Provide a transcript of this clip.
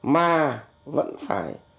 mà vẫn phải